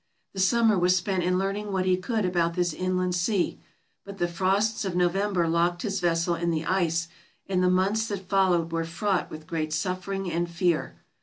The summer was spent in learning what he could about this inland sea, but the frosts of November locked his vessel in the ice and the months that followed were fraught with great suffering and fear.